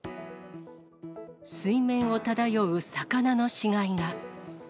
水面を漂う魚の死骸が。